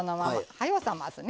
はよう冷ますね。